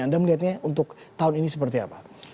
anda melihatnya untuk tahun ini seperti apa